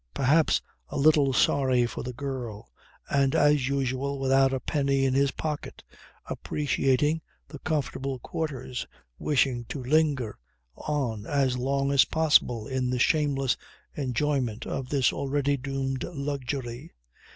perhaps a little sorry for the girl and as usual without a penny in his pocket, appreciating the comfortable quarters, wishing to linger on as long as possible in the shameless enjoyment of this already doomed luxury.